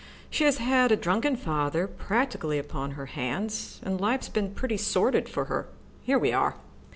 She has had a drunken father practically upon her hands, and life's been pretty sordid for her. Here we are."